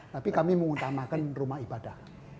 tapi kami mengutamakan rumah ibadah